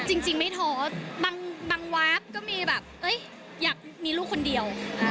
จริงไม่ทอดบางว๊อฟก็มีแบบเฮ้ยอยากมีลูกคนเดียว